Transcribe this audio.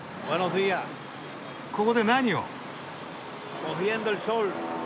ここで何を？